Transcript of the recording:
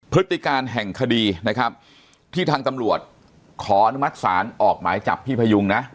พฤติการแห่งคดีนะครับที่ทางตำรวจขออนุมัติศาลออกหมายจับพี่พยุงนะ